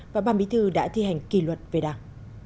và bà mỹ thư đã thi hành kỳ luật về đảng